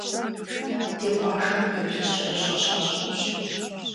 Ди къуажэм кхъуейплъыжькӏэрыщӏэ щащӏынущ.